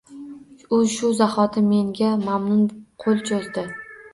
U shu zahoti menga mamnun qo`l cho`zdi